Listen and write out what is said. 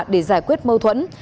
để giải quyết mâu thuẫn